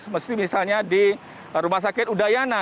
mesti misalnya di rumah sakit udayana